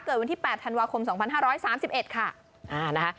เกิดวันที่๘ธันวาคม๒๕๓๑ค่ะ